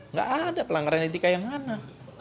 nggak ada pelanggaran etika yang mana